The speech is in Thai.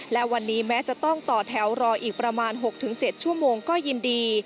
และวันนี้แม้จะต้องต่อแถวรออีกประมาณ๖๗ชั่วโมงก็ยินดี